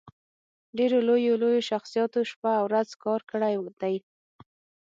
ډېرو لويو لويو شخصياتو شپه او ورځ کار کړی دی